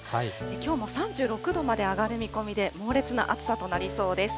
きょうも３６度まで上がる見込みで、猛烈な暑さとなりそうです。